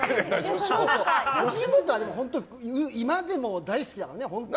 でも、吉本は今でも大好きだからね、本当に。